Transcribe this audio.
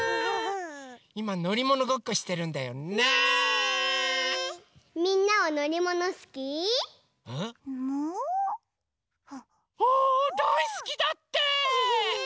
むう？あだいすきだって！